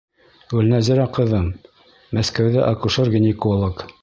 Гөлнәзирә ҡыҙым — Мәскәүҙә акушер-гинеколог.